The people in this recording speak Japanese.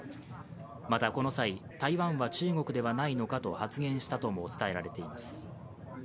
また、この際、台湾は中国ではないのか？と発言したとも伝えられています。